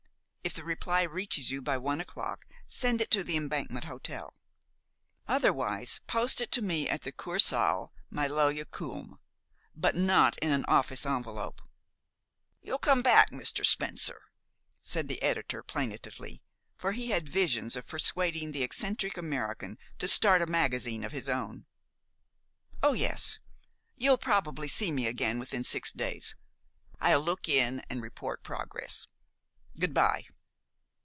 If the reply reaches you by one o'clock send it to the Embankment Hotel. Otherwise, post it to me at the Kursaal, Maloja Kulm; but not in an office envelop." "You'll come back, Mr. Spencer?" said the editor plaintively, for he had visions of persuading the eccentric American to start a magazine of his own. "Oh, yes. You'll probably see me again within six days. I'll look in and report progress. Good by."